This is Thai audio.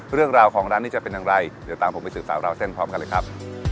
เรื่องราวของร้านนี้จะเป็นอย่างไรเดี๋ยวตามผมไปสืบสาวราวเส้นพร้อมกันเลยครับ